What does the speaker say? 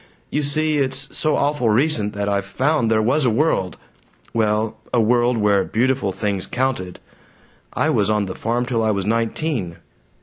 You see, it's so awful recent that I've found there was a world well, a world where beautiful things counted. I was on the farm till I was nineteen.